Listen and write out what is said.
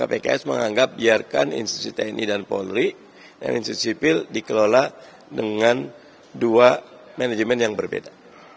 pks menganggap biarkan institusi tni dan polri dan institusi dikelola dengan dua manajemen yang berbeda